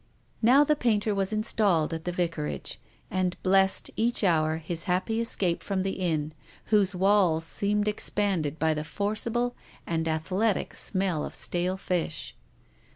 Now the painter was installed at the Vicarage, and blessed, each hour, his happy escape from the inn, whose walls seemed expanded by the forcible and athletic smell of stale lish.